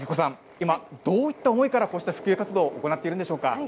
今どういった思いからこうした普及活動を行っているんでしょうか？